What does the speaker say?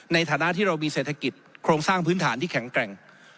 ในฐานะที่เรามีเศรษฐกิจโครงสร้างพื้นฐานที่แข็งแกร่ง